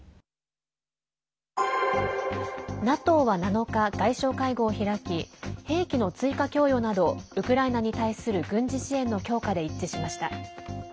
ＮＡＴＯは７日外相会合を開き兵器の追加供与などウクライナに対する軍事支援の強化で一致しました。